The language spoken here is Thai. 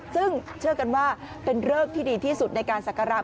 ซึ่งเชื่อกันว่าเป็นเริกที่ดีที่สุดในการศักระ